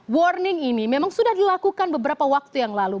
warning ini memang sudah dilakukan beberapa waktu yang lalu